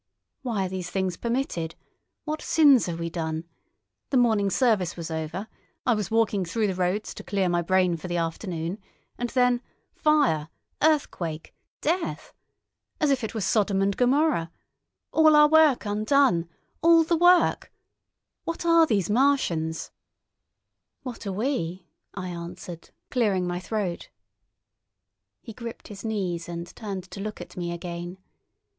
"Why are these things permitted? What sins have we done? The morning service was over, I was walking through the roads to clear my brain for the afternoon, and then—fire, earthquake, death! As if it were Sodom and Gomorrah! All our work undone, all the work—— What are these Martians?" "What are we?" I answered, clearing my throat. He gripped his knees and turned to look at me again.